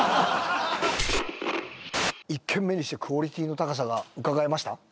１軒目にしてクオリティーの高さがうかがえました？